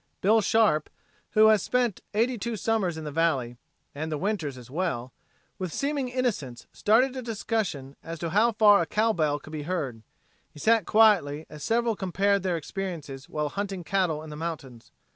Bill Sharpe, who has spent eighty two summers in the valley and the winters, as well with seeming innocence started a discussion as to how far a cow bell could be heard. He sat quietly as several compared their experiences while hunting cattle in the mountains.